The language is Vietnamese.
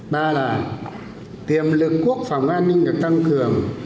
ba là tiềm lực quốc phòng an ninh được tăng cường